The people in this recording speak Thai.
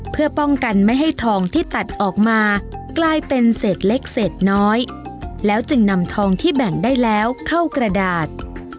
เพื่อป้องกันไม่ให้ทองที่ตัดออกมากลายเป็นเศษเล็กเศษน้อยแล้วจึงนำทองที่แบ่งได้แล้วเข้ากระดาษ